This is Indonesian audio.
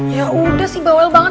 ya udah sih bawel banget